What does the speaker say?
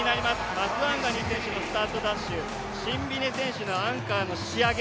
マスワンガニー選手のスタートダッシュ、シンビネ選手のアンカーの仕上げ